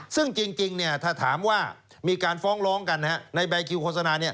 ซึ่งจริงถ้าถามว่ามีการฟ้องร้องกันในใบคิวโฆษณา